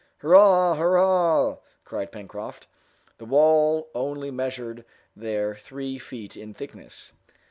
"Hurrah! hurrah!" cried Pencroft. The wall only measured there three feet in thickness.